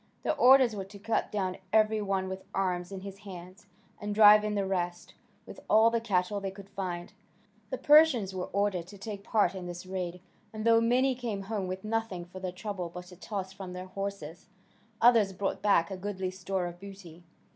Their orders were to cut down every one with arms in his hands, and drive in the rest, with all the cattle they could find. The Persians were ordered to take part in this raid, and though many came home with nothing for their trouble but a toss from their horses, others brought back a goodly store of booty.